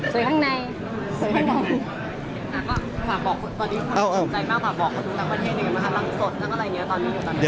ส้วยใน